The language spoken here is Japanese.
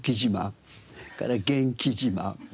それから元気自慢。